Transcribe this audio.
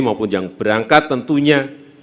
maupun yang berangkat tentunya